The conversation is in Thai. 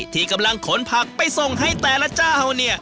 ที่กำลังขนผักไปส่งให้แต่ละเจ้าเนี่ย